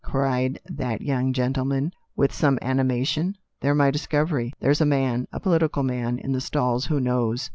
cried that young gentleman with some animation. "They're my discovery. There's a man — a political man — in the stalls who knows.